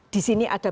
di sini ada